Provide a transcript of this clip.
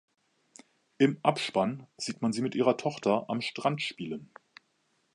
Im Abspann sieht man sie mit ihrer Tochter am Strand spielen.